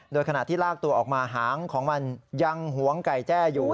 โดยขณะที่ลากตัวออกมาหางของมันยังหวงไก่แจ้อยู่